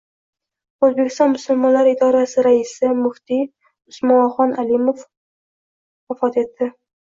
O‘zbekiston musulmonlari idorasi raisi, muftiy Usmonxon Alimov vafot etdi